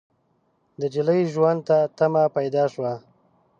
د نجلۍ ژوند ته تمه پيدا شوه.